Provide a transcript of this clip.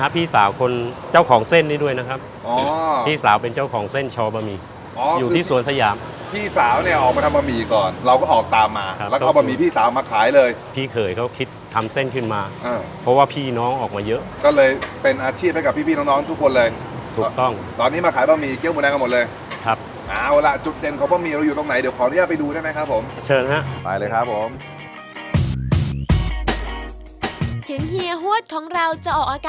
พี่สาวคนเจ้าของเส้นนี่ด้วยนะครับอ๋อพี่สาวเป็นเจ้าของเส้นชอบะหมี่อ๋ออยู่ที่สวนสยามพี่สาวเนี้ยออกมาทำปะหมี่ก่อนเราก็ออกตามมาครับแล้วก็เอาปะหมี่พี่สาวมาขายเลยพี่เขยเขาคิดทำเส้นขึ้นมาอ่าเพราะว่าพี่น้องออกมาเยอะก็เลยเป็นอาชีพให้กับพี่พี่น้องน้องทุกคนเลยถูกต้องตอนนี้มาขายปะหมี่เกี้ยวหมูแดงกันหม